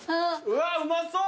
うわうまそう！